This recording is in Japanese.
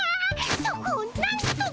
そこをなんとか。